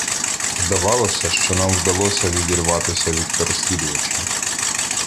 Здавалося, що нам вдалося відірватися від переслідувачів.